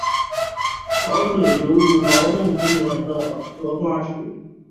湖水流入劳动公园的荷花池。